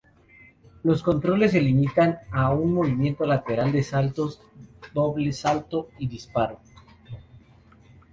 Los controles se limitan a un movimiento lateral, de salto, doble salto y disparo.